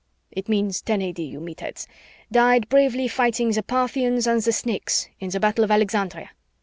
It means 10 A.D., you meatheads!) died bravely fighting the Parthians and the Snakes in the Battle of Alexandria.